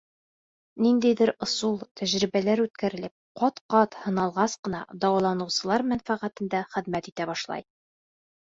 Ниндәйҙер ысул, тәжрибәләр үткәрелеп, ҡат-ҡат һыналғас ҡына, дауаланыусылар мәнфәғәтендә хеҙмәт итә башлай.